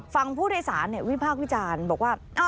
ฝั่งผู้โดยสารวิพากษ์วิจารณ์บอกว่า